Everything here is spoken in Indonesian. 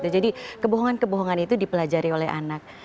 jadi kebohongan kebohongan itu dipelajari oleh anak